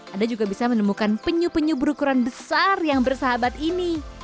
anda juga bisa menemukan penyu penyu berukuran besar yang bersahabat ini